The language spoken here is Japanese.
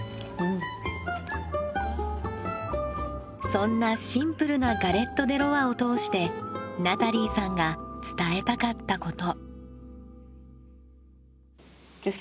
そんなシンプルなガレット・デ・ロワを通してナタリーさんが伝えたかったこと。